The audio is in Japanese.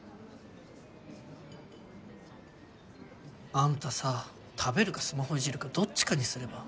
あんたさ食べるかスマホいじるかどっちかにすれば？